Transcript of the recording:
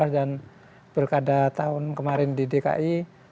dan pilkada tahun kemarin di dki